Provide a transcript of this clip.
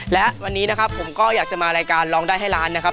และวันนี้นะครับผมก็อยากจะมารายการร้องได้ให้ล้านนะครับ